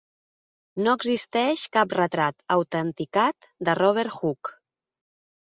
No existeix cap retrat autenticat de Robert Hooke.